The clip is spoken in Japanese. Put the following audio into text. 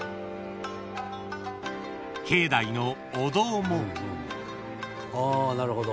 ［境内のお堂も］